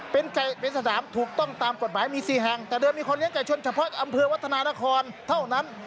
เป็นสนามถูกต้องตามกฎหมายมี๔แห่งแต่เดิมมีคนเลี้ยไก่ชนเฉพาะอำเภอวัฒนานครเท่านั้น